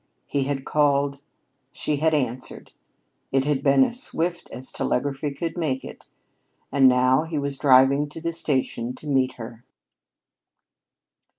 He had called. She had answered. It had been as swift as telegraphy could make it. And now he was driving to the station to meet her.